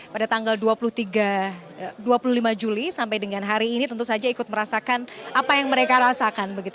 pada tanggal dua puluh lima juli sampai dengan hari ini tentu saja ikut merasakan apa yang mereka rasakan